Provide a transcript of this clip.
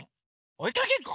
おいかけっこ？